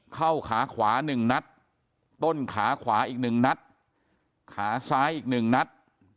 เข้าขาขวา๑นัดต้นขาขวาอีก๑นัดขาซ้ายอีก๑นัด